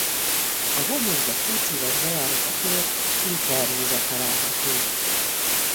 A homlokzat csúcsíves bejárata fölött Luther-rózsa található.